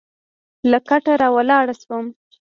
له کټه راولاړ شوم.